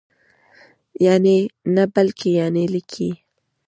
یعني نه بلکې یانې لیکئ!